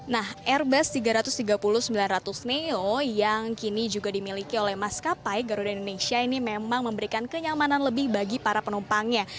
nah airbus tiga ratus tiga puluh sembilan ratus neo yang kini juga dimiliki oleh maskapai garuda indonesia ini memang memberikan kenyamanan lebih bagi para penumpangnya